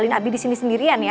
ire nurut sama mereka